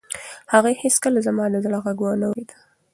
هغې هیڅکله زما د زړه غږ و نه اورېد.